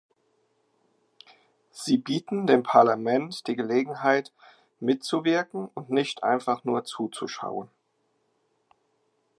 Sie bieten dem Parlament die Gelegenheit mitzuwirken und nicht einfach nur zuzuschauen.